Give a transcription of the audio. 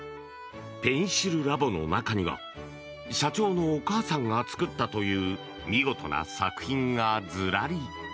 ペンシルラボの中には社長のお母さんが作ったという見事な作品がずらり。